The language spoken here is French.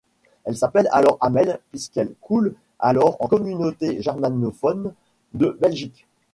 Elle s'appelle alors Amel puisqu'elle coule alors en Communauté germanophone de Belgique.